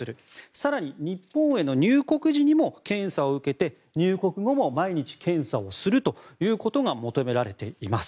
更に、日本への入国時にも検査を受けて入国後も毎日検査をするということが求められています。